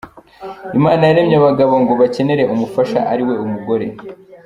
Imana yaremye abagabo ngo bakenere umufasha ariwe mugore.